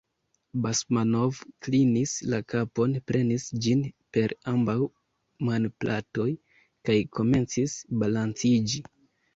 Basmanov klinis la kapon, prenis ĝin per ambaŭ manplatoj kaj komencis balanciĝi.